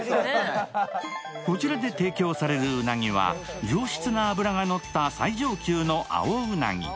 こちらで提供されるうなぎは上質な脂が乗った最上級のアオうなぎ。